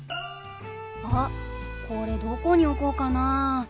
あっこれどこに置こうかな。